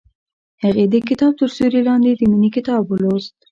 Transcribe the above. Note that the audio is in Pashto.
هغې د کتاب تر سیوري لاندې د مینې کتاب ولوست.